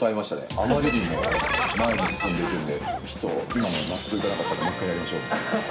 あまりにも前に進んでいくんで、ちょっと今の納得いかなかったんでもう一回やりましょう。